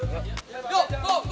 be assalamualaikum be